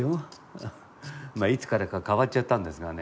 まあいつからか変わっちゃったんですがね。